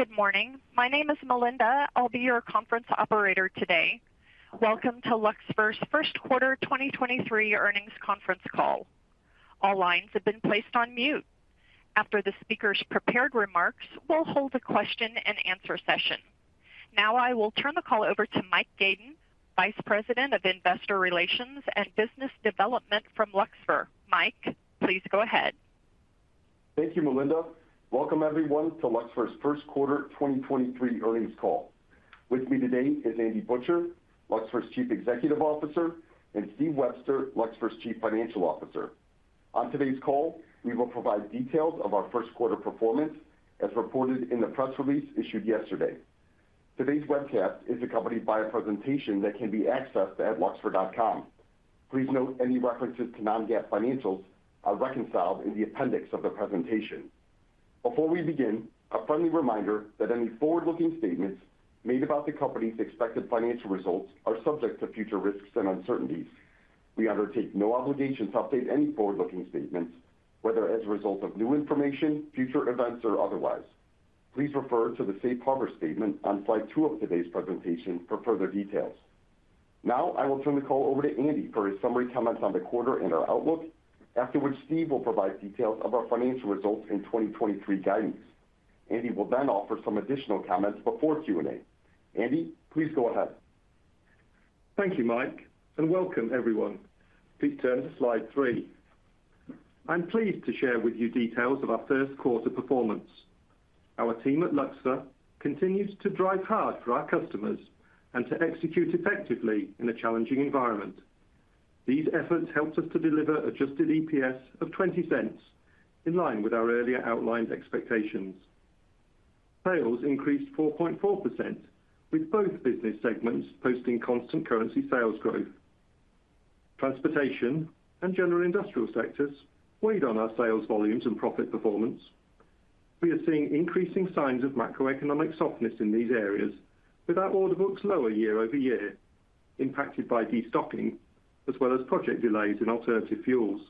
Good morning. My name is Melinda. I'll be your conference operator today. Welcome to Luxfer's First Quarter 2023 Earnings Conference Call. All lines have been placed on mute. After the speaker's prepared remarks, we'll hold a question-and-answer session. Now I will turn the call over to Michael Gaiden, Vice President of Investor Relations and Business Development from Luxfer. Mike, please go ahead. Thank you, Melinda. Welcome everyone to Luxfer's First Quarter 2023 Earnings Call. With me today is Andy Butcher, Luxfer's Chief Executive Officer, and Steve Webster, Luxfer's Chief Financial Officer. On today's call, we will provide details of our first quarter performance as reported in the press release issued yesterday. Today's webcast is accompanied by a presentation that can be accessed at luxfer.com. Please note any references to non-GAAP financials are reconciled in the appendix of the presentation. Before we begin, a friendly reminder that any forward-looking statements made about the company's expected financial results are subject to future risks and uncertainties. We undertake no obligation to update any forward-looking statements, whether as a result of new information, future events, or otherwise. Please refer to the safe harbor statement on slide 2 of today's presentation for further details. I will turn the call over to Andy for his summary comments on the quarter and our outlook. After which Steve will provide details of our financial results in 2023 guidance. Andy will offer some additional comments before Q&A. Andy, please go ahead. Thank you, Mike. Welcome everyone. Please turn to slide 3. I'm pleased to share with you details of our first quarter performance. Our team at Luxfer continues to drive hard for our customers and to execute effectively in a challenging environment. These efforts helped us to deliver adjusted EPS of $0.20 in line with our earlier outlined expectations. Sales increased 4.4% with both business segments posting constant currency sales growth. Transportation and general industrial sectors weighed on our sales volumes and profit performance. We are seeing increasing signs of macroeconomic softness in these areas with our order books lower year-over-year, impacted by destocking as well as project delays in alternative fuels.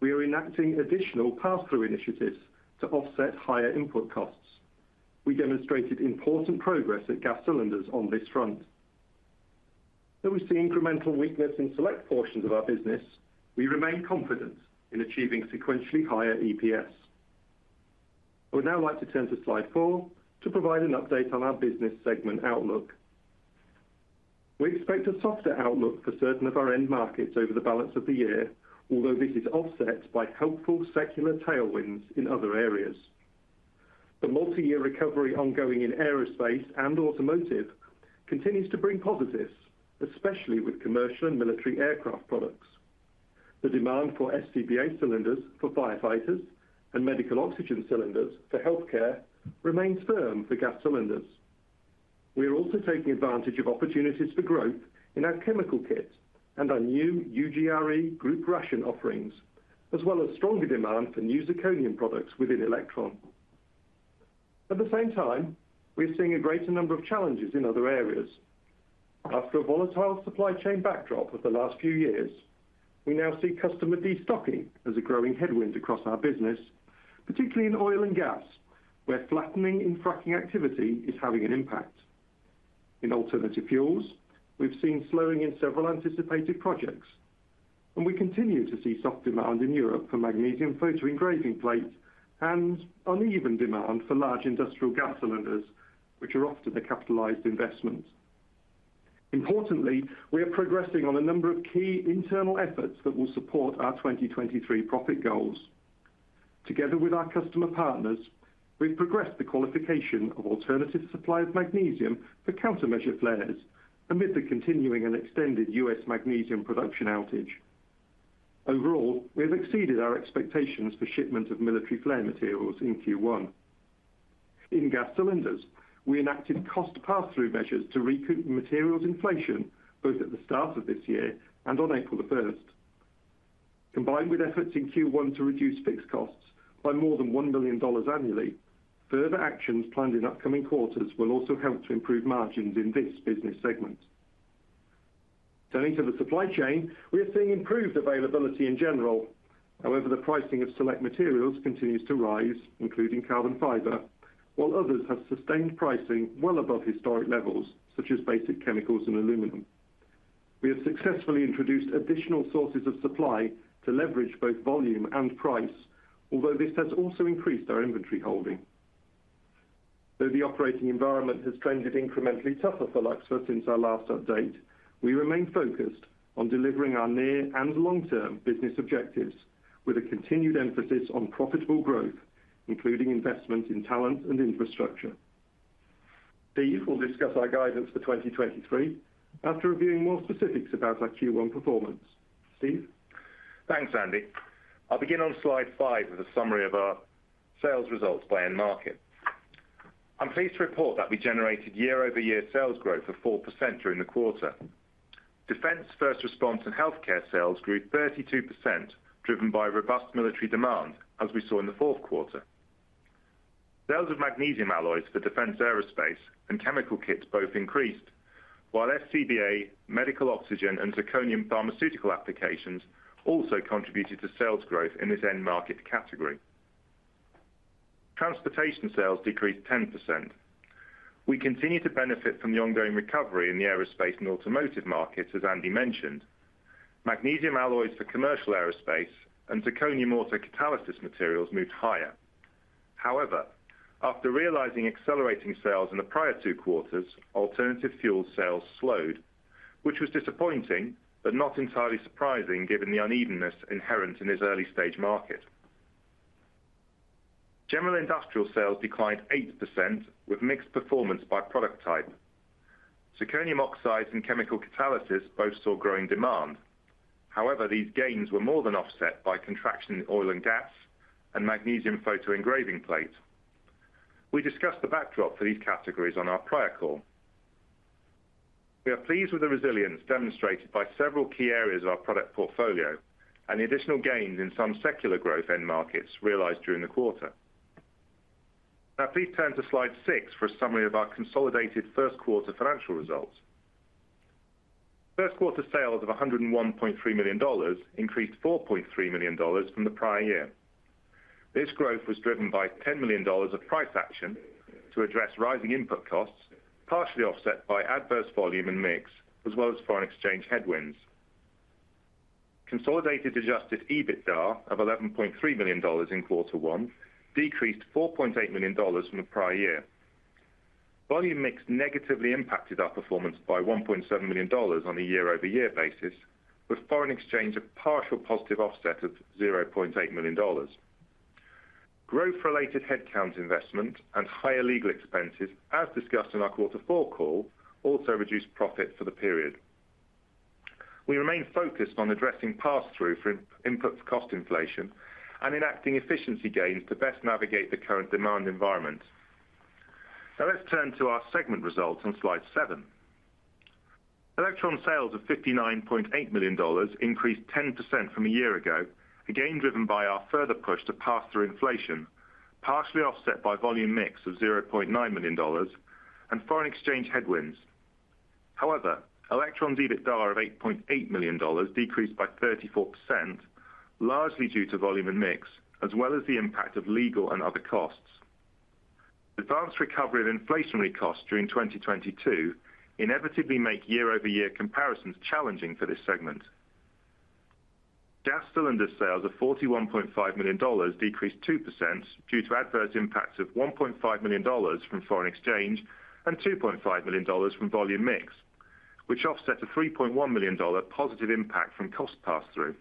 We are enacting additional passthrough initiatives to offset higher input costs. We demonstrated important progress at Gas Cylinders on this front. Though we see incremental weakness in select portions of our business, we remain confident in achieving sequentially higher EPS. I would now like to turn to slide 4 to provide an update on our business segment outlook. We expect a softer outlook for certain of our end markets over the balance of the year, although this is offset by helpful secular tailwinds in other areas. The multi-year recovery ongoing in aerospace and automotive continues to bring positives, especially with commercial and military aircraft products. The demand for SCBA cylinders for firefighters and medical oxygen cylinders for healthcare remains firm for gas cylinders. We are also taking advantage of opportunities for growth in our chemical kits and our new UGR-E group ration offerings, as well as stronger demand for new zirconium products within Elektron. At the same time, we're seeing a greater number of challenges in other areas. After a volatile supply chain backdrop of the last few years, we now see customer destocking as a growing headwind across our business, particularly in oil and gas, where flattening in fracking activity is having an impact. In alternative fuels, we've seen slowing in several anticipated projects, and we continue to see soft demand in Europe for magnesium photoengraving plates and uneven demand for large industrial gas cylinders, which are often the capitalized investments. Importantly, we are progressing on a number of key internal efforts that will support our 2023 profit goals. Together with our customer partners, we've progressed the qualification of alternative supply of magnesium for countermeasure flares amid the continuing and extended U.S. magnesium production outage. Overall, we have exceeded our expectations for shipment of military flare materials in Q1. In Gas Cylinders, we enacted cost passthrough measures to recoup materials inflation both at the start of this year and on April the first. Combined with efforts in Q1 to reduce fixed costs by more than $1 million annually, further actions planned in upcoming quarters will also help to improve margins in this business segment. Turning to the supply chain, we are seeing improved availability in general. However, the pricing of select materials continues to rise, including carbon fiber, while others have sustained pricing well above historic levels such as basic chemicals and aluminum. We have successfully introduced additional sources of supply to leverage both volume and price, although this has also increased our inventory holding. The operating environment has trended incrementally tougher for Luxfer since our last update, we remain focused on delivering our near and long-term business objectives with a continued emphasis on profitable growth, including investment in talent and infrastructure. Steve will discuss our guidance for 2023 after reviewing more specifics about our Q1 performance. Steve? Thanks, Andy. I'll begin on slide five with a summary of our sales results by end market. I'm pleased to report that we generated year-over-year sales growth of 4% during the quarter. Defense, first response, and healthcare sales grew 32%, driven by robust military demand as we saw in the fourth quarter. Sales of magnesium alloys for defense aerospace and chemical kits both increased. While SCBA, medical oxygen and zirconium pharmaceutical applications also contributed to sales growth in this end market category. Transportation sales decreased 10%. We continue to benefit from the ongoing recovery in the aerospace and automotive markets, as Andy mentioned. Magnesium alloys for commercial aerospace and zirconium autocatalysis materials moved higher. After realizing accelerating sales in the prior two quarters, alternative fuel sales slowed, which was disappointing but not entirely surprising given the unevenness inherent in this early-stage market. General industrial sales declined 8% with mixed performance by product type. zirconium oxides and chemical catalysis both saw growing demand. These gains were more than offset by contraction in oil and gas and magnesium photoengraving plates. We discussed the backdrop for these categories on our prior call. We are pleased with the resilience demonstrated by several key areas of our product portfolio and the additional gains in some secular growth end markets realized during the quarter. Now please turn to slide six for a summary of our consolidated first quarter financial results. First quarter sales of $101.3 million increased $4.3 million from the prior year. This growth was driven by $10 million of price action to address rising input costs, partially offset by adverse volume and mix as well as foreign exchange headwinds. Consolidated adjusted EBITDA of $11.3 million in Q1 decreased $4.8 million from the prior year. Volume mix negatively impacted our performance by $1.7 million on a year-over-year basis, with foreign exchange a partial positive offset of $0.8 million. Growth-related headcount investment and higher legal expenses, as discussed in our Q4 call, also reduced profit for the period. We remain focused on addressing passthrough for input cost inflation and enacting efficiency gains to best navigate the current demand environment. Now let's turn to our segment results on slide seven. Elektron sales of $59.8 million increased 10% from a year ago, again driven by our further push to pass through inflation, partially offset by volume mix of $0.9 million and foreign exchange headwinds. Elektron EBITDA of $8.8 million decreased by 34%, largely due to volume and mix, as well as the impact of legal and other costs. Advanced recovery of inflationary costs during 2022 inevitably make year-over-year comparisons challenging for this segment. Gas Cylinders sales of $41.5 million decreased 2% due to adverse impacts of $1.5 million from foreign exchange and $2.5 million from volume mix, which offsets a $3.1 million positive impact from cost pass through.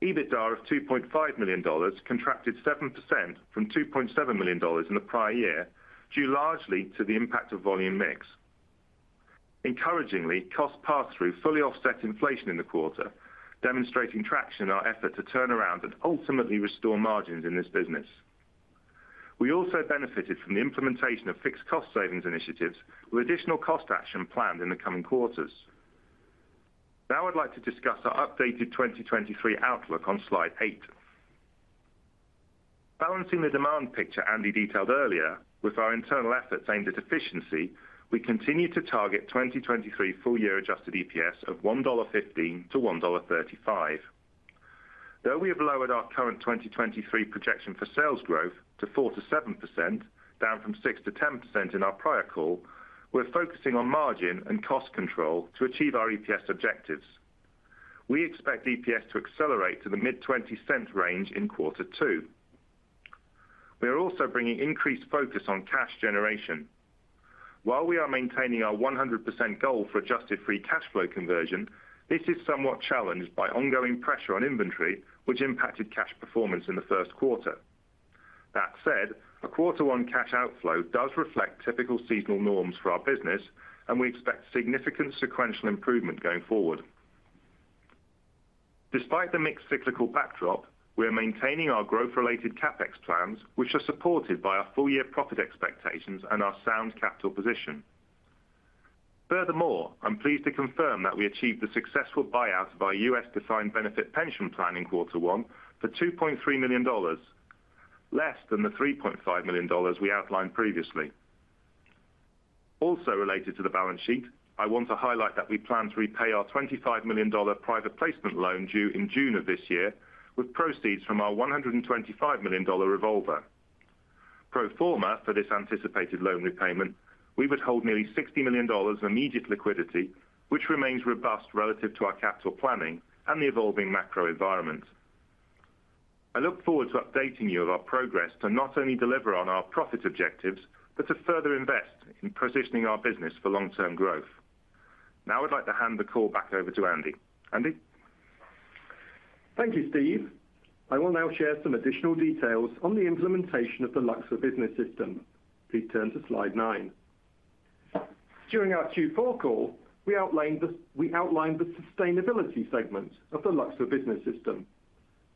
EBITDA of $2.5 million contracted 7% from $2.7 million in the prior year, due largely to the impact of volume mix. Encouragingly, cost pass through fully offset inflation in the quarter, demonstrating traction in our effort to turn around and ultimately restore margins in this business. We also benefited from the implementation of fixed cost savings initiatives with additional cost action planned in the coming quarters. Now I'd like to discuss our updated 2023 outlook on slide 8. Balancing the demand picture Andy detailed earlier with our internal efforts aimed at efficiency, we continue to target 2023 full year adjusted EPS of $1.15-$1.35. Though we have lowered our current 2023 projection for sales growth to 4%-7%, down from 6%-10% in our prior call, we're focusing on margin and cost control to achieve our EPS objectives. We expect EPS to accelerate to the mid $0.20 range in quarter two. We are also bringing increased focus on cash generation. While we are maintaining our 100% goal for adjusted free cash flow conversion, this is somewhat challenged by ongoing pressure on inventory, which impacted cash performance in the Q1. That said, a Q1 cash outflow does reflect typical seasonal norms for our business and we expect significant sequential improvement going forward. Despite the mixed cyclical backdrop, we are maintaining our growth-related CapEx plans, which are supported by our full-year profit expectations and our sound capital position. I'm pleased to confirm that we achieved the successful buyout of our US defined benefit pension plan in Q1 for $2.3 million, less than the $3.5 million we outlined previously. Also related to the balance sheet, I want to highlight that we plan to repay our $25 million private placement notes due in June of this year with proceeds from our $125 million revolver. Pro forma for this anticipated notes repayment, we would hold nearly $60 million in immediate liquidity, which remains robust relative to our capital planning and the evolving macro environment. I look forward to updating you of our progress to not only deliver on our profit objectives, but to further invest in positioning our business for long-term growth. Now I'd like to hand the call back over to Andy. Andy? Thank you, Steve. I will now share some additional details on the implementation of the Luxfer Business System. Please turn to slide nine. During our Q4 call, we outlined the sustainability segment of the Luxfer Business System.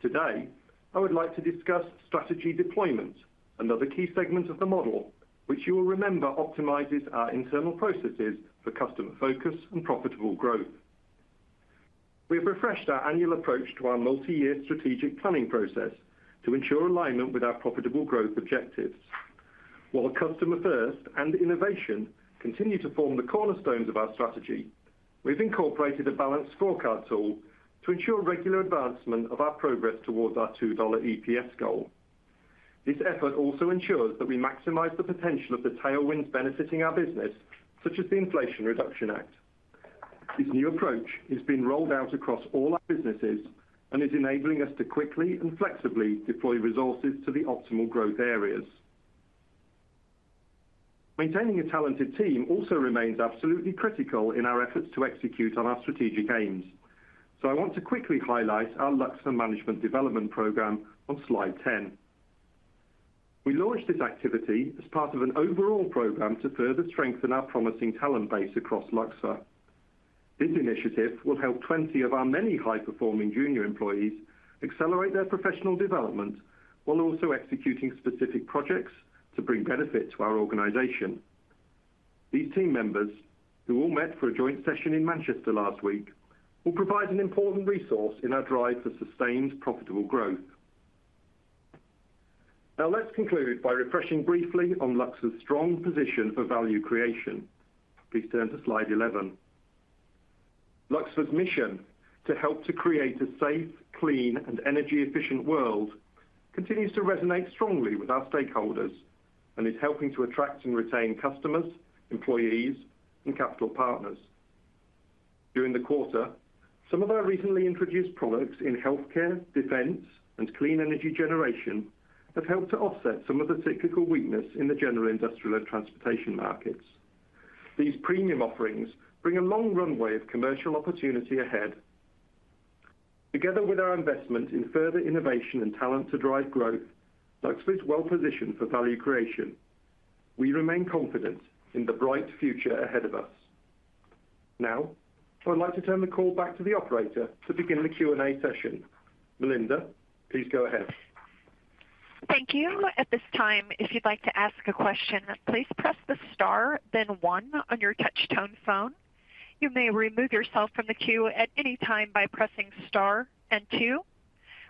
Today, I would like to discuss strategy deployment, another key segment of the model, which you will remember optimizes our internal processes for customer focus and profitable growth. We have refreshed our annual approach to our multiyear strategic planning process to ensure alignment with our profitable growth objectives. While customer first and innovation continue to form the cornerstones of our strategy, we've incorporated a balanced scorecard tool to ensure regular advancement of our progress towards our $2 EPS goal. This effort also ensures that we maximize the potential of the tailwinds benefiting our business, such as the Inflation Reduction Act. This new approach has been rolled out across all our businesses and is enabling us to quickly and flexibly deploy resources to the optimal growth areas. Maintaining a talented team also remains absolutely critical in our efforts to execute on our strategic aims. I want to quickly highlight our Luxfer Management Development Program on slide 10. We launched this activity as part of an overall program to further strengthen our promising talent base across Luxfer. This initiative will help 20 of our many high-performing junior employees accelerate their professional development while also executing specific projects to bring benefit to our organization. These team members, who all met for a joint session in Manchester last week, will provide an important resource in our drive for sustained profitable growth. Let's conclude by refreshing briefly on Luxfer's strong position for value creation. Please turn to slide 11. Luxfer's mission to help to create a safe, clean, and energy efficient world continues to resonate strongly with our stakeholders and is helping to attract and retain customers, employees, and capital partners. During the quarter, some of our recently introduced products in healthcare, defense, and clean energy generation have helped to offset some of the cyclical weakness in the general industrial and transportation markets. These premium offerings bring a long runway of commercial opportunity ahead. Together with our investment in further innovation and talent to drive growth, Luxfer is well positioned for value creation. We remain confident in the bright future ahead of us. Now, I'd like to turn the call back to the operator to begin the Q&A session. Melinda, please go ahead. Thank you. At this time, if you'd like to ask a question, please press the star then one on your touch tone phone. You may remove yourself from the queue at any time by pressing star and two.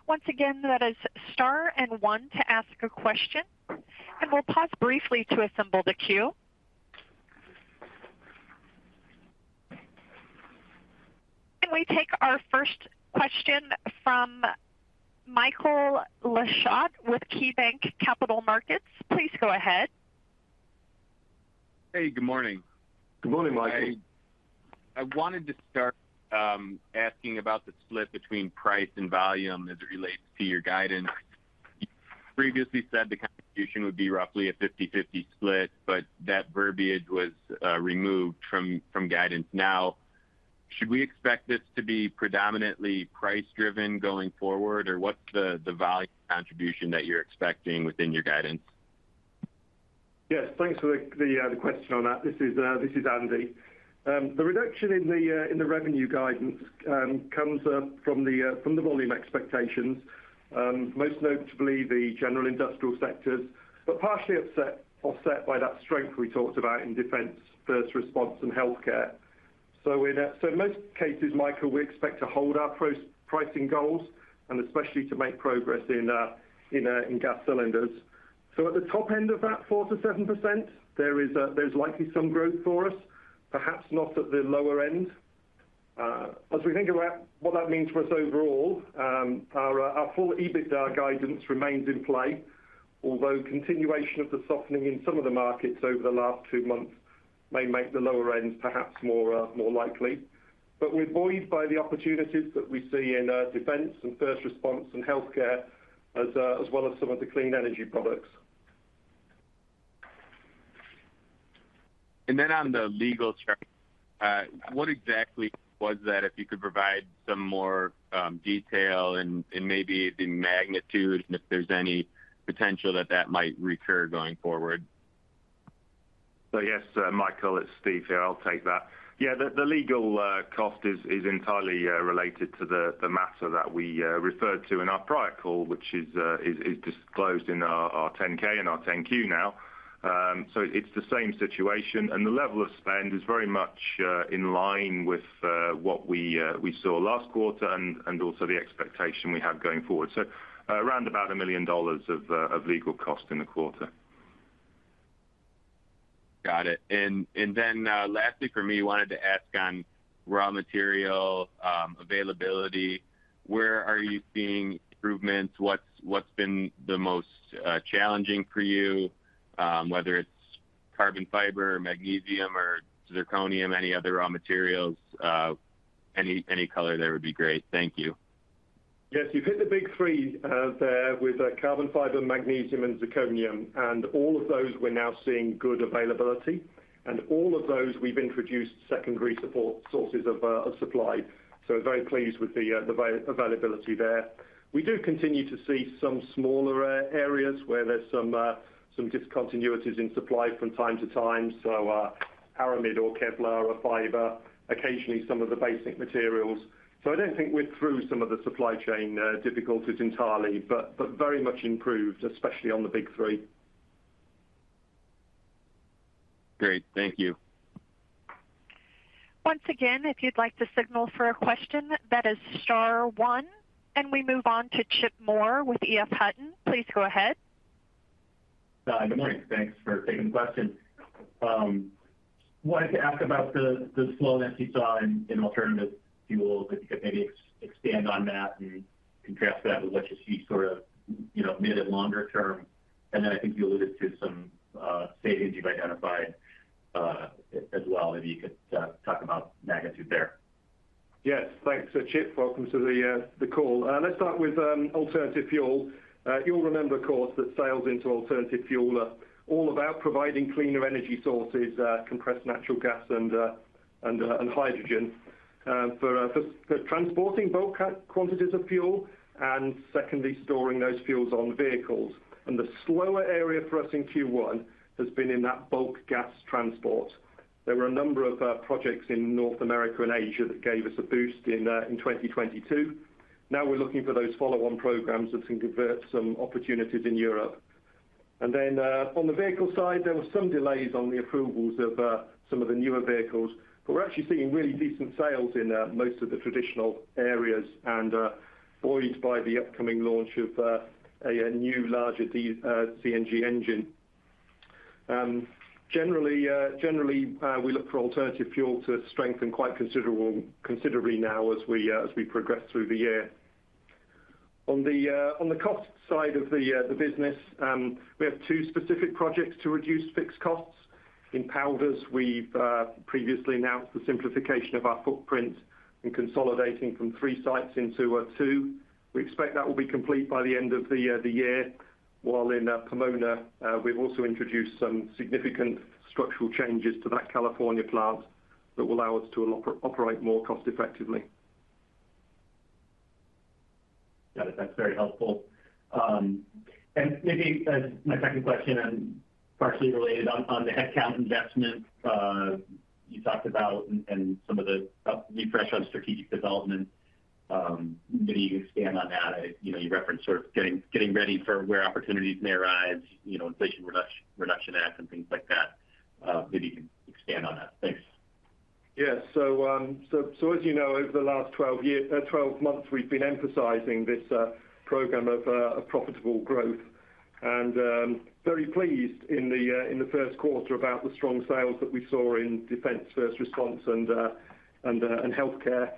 Once again, that is star and one to ask a question, and we'll pause briefly to assemble the queue. Can we take our first question from Michael Leshock with KeyBanc Capital Markets? Please go ahead. Hey, good morning. Good morning, Michael. I wanted to start asking about the split between price and volume as it relates to your guidance. You previously said the contribution would be roughly a 50/50 split, but that verbiage was removed from guidance now. Should we expect this to be predominantly price driven going forward? What's the value contribution that you're expecting within your guidance? Yes, thanks for the question on that. This is Andy. The reduction in the revenue guidance comes from the volume expectations, most notably the general industrial sectors, but partially offset by that strength we talked about in defense, first response, and healthcare. In most cases, Michael, we expect to hold our pricing goals and especially to make progress in Gas Cylinders. At the top end of that 4%-7%, there's likely some growth for us, perhaps not at the lower end. As we think about what that means for us overall, our full EBITDA guidance remains in play, although continuation of the softening in some of the markets over the last two months may make the lower end perhaps more likely. We're buoyed by the opportunities that we see in defense and first response and healthcare as well as some of the clean energy products. On the legal term, what exactly was that? If you could provide some more detail and maybe the magnitude and if there's any potential that that might recur going forward. Yes, Michael, it's Steve here. I'll take that. Yeah, the legal cost is entirely related to the matter that we referred to in our prior call, which is disclosed in our 10-K and our 10-Q now. It's the same situation, and the level of spend is very much in line with what we saw last quarter and also the expectation we have going forward. Around about $1 million of legal cost in the quarter. Got it. Then, lastly for me, wanted to ask on raw material availability. Where are you seeing improvements? What's been the most challenging for you? Whether it's carbon fiber, magnesium or zirconium, any other raw materials, any color there would be great. Thank you. Yes. You've hit the big three, there with, carbon fiber, magnesium and zirconium, all of those we're now seeing good availability. All of those we've introduced secondary support sources of supply, so very pleased with the availability there. We do continue to see some smaller, areas where there's some discontinuities in supply from time to time. Aramid or Kevlar, a fiber, occasionally some of the basic materials. I don't think we're through some of the supply chain difficulties entirely, but very much improved, especially on the big three. Great. Thank you. Once again, if you'd like to signal for a question, that is star one. We move on to Chip Moore with EF Hutton. Please go ahead. Good morning. Thanks for taking the question. Wanted to ask about the slowness you saw in alternative fuels. If you could maybe expand on that and contrast that with what you see sort of, you know, mid and longer term. I think you alluded to some savings you've identified as well, if you could talk about magnitude there. Yes, thanks. Chip, welcome to the call. Let's start with alternative fuel. You'll remember of course, that sales into alternative fuel are all about providing cleaner energy sources, compressed natural gas and hydrogen, for transporting bulk quantities of fuel and secondly, storing those fuels on vehicles. The slower area for us in Q1 has been in that bulk gas transport. There were a number of projects in North America and Asia that gave us a boost in 2022. Now we're looking for those follow-on programs that can convert some opportunities in Europe. On the vehicle side, there were some delays on the approvals of some of the newer vehicles, but we're actually seeing really decent sales in most of the traditional areas and buoyed by the upcoming launch of a new larger CNG engine. Generally, we look for alternative fuel to strengthen quite considerably now as we as we progress through the year. On the on the cost side of the business, we have two specific projects to reduce fixed costs. In powders, we've previously announced the simplification of our footprint in consolidating from three sites into two. We expect that will be complete by the end of the year, while in Pomona, we've also introduced some significant structural changes to that California plant that will allow us to operate more cost effectively. Got it. That's very helpful. Maybe as my second question and partially related on the headcount investment, you talked about and some of the refresh on strategic development, maybe you can expand on that. You know, you referenced sort of getting ready for where opportunities may arise, you know, Inflation Reduction Act and things like that. Maybe you can expand on that. Thanks. Yes. As you know, over the last 12 years, 12 months, we've been emphasizing this program of profitable growth. Very pleased in the first quarter about the strong sales that we saw in defense, first response and healthcare.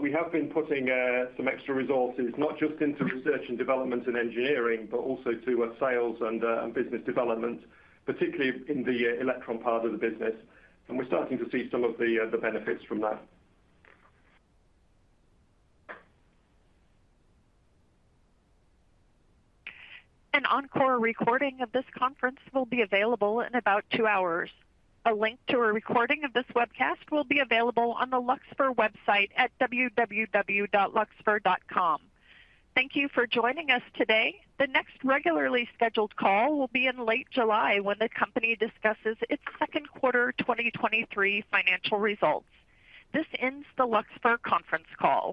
We have been putting some extra resources not just into research and development and engineering, but also to sales and business development, particularly in the Elektron part of the business. We're starting to see some of the benefits from that. An encore recording of this conference will be available in about two hours. A link to a recording of this webcast will be available on the Luxfer website at www.luxfer.com. Thank you for joining us today. The next regularly scheduled call will be in late July when the company discusses its second quarter 2023 financial results. This ends the Luxfer conference call.